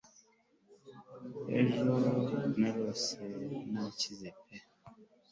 Ejo narose nakize pe